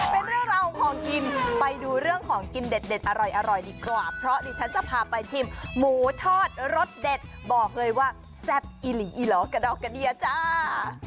เป็นเรื่องราวของของกินไปดูเรื่องของกินเด็ดอร่อยดีกว่าเพราะดิฉันจะพาไปชิมหมูทอดรสเด็ดบอกเลยว่าแซ่บอีหลีอีหลอกระดอกกระเดียจ้า